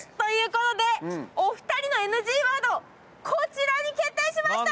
お二人のＮＧワード、こちらに決定しました。